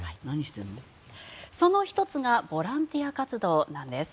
その１つがボランティア活動なんです。